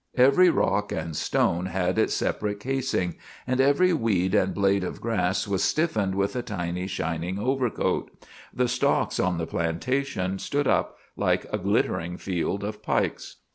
Every rock and stone had its separate casing, and every weed and blade of grass was stiffened with a tiny shining overcoat. The stalks on the plantation stood up like a glittering field of pikes.